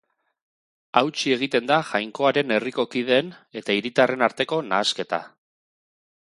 Hautsi egiten da Jainkoaren Herriko kideen eta hiritarren arteko nahasketa.